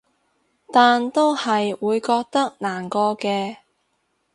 但都係會覺得難過嘅